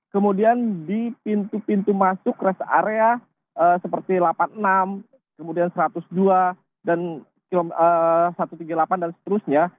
kemudian di pintu pintu masuk rest area seperti delapan puluh enam kemudian satu ratus dua dan satu ratus tiga puluh delapan dan seterusnya